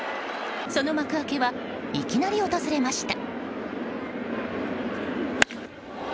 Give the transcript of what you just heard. その幕開けはいきなり訪れました。